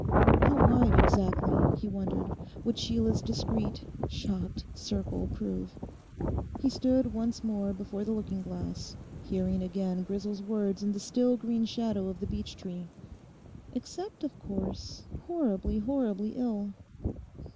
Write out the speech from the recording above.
How wide exactly, he wondered, would Sheila's discreet, shocked circle prove? He stood once more before the looking glass, hearing again Grisel's words in the still green shadow of the beech tree, 'Except of course, horribly, horribly ill.